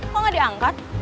kok gak diangkat